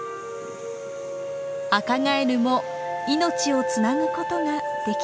アカガエルも命をつなぐことができたのです。